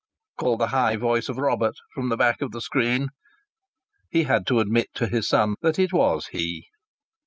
called the high voice of Robert from the back of the screen. He had to admit to his son that it was he.